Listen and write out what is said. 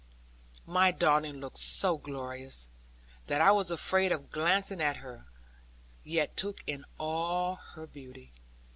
My darling looked so glorious, that I was afraid of glancing at her, yet took in all her beauty.